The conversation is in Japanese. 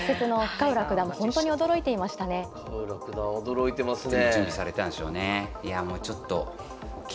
深浦九段驚いてますねえ。